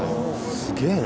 すげぇな。